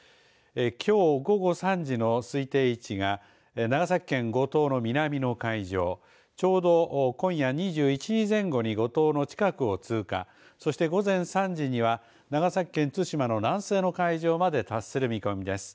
きょう午後３時の推定位置が長崎県五島の南の海上ちょうど今夜２１時前後に五島の近くを通過そして午前３時には長崎県対馬の南西の海上まで達する見込みです。